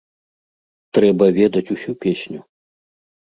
Трэба ведаць усю песню.